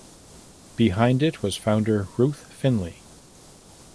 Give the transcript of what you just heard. Behind it was founder Ruth Finley.